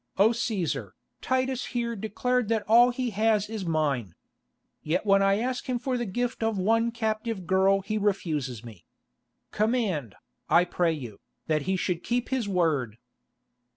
O Cæsar, Titus here declared that all he has is mine. Yet when I ask him for the gift of one captive girl he refuses me. Command, I pray you, that he should keep his word."